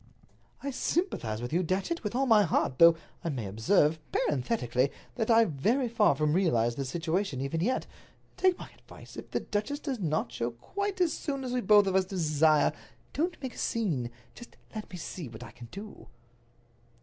"I sympathize with you, Datchet, with all my heart, though, I may observe, parenthetically, that I very far from realize the situation even yet. Take my advice. If the duchess does not show quite as soon as we both of us desire, don't make a scene; just let me see what I can do."